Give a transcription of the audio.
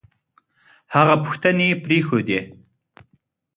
هغه پوښتنې پرېښودې